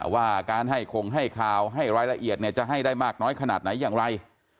ว่าการให้คงให้ข่าวให้รายละเอียดจะให้ได้มากน้อยขนาดไหนอย่างไร